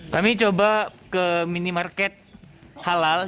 kami coba ke minimarket halal